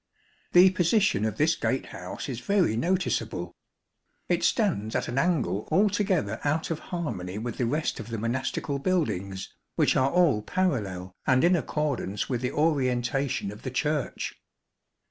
The position of this gatehouse is very noticeable. It stands at an angle altogether out of harmony with the rest of the monastical buildings, which are all parallel and in accordance with the orientation of the Church.